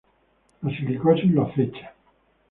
La silicosis lo acecha.